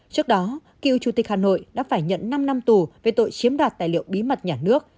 trước đó cựu chủ tịch hà nội đã phải nhận năm năm tù về tội chiếm đoạt tài liệu bí mật nhà nước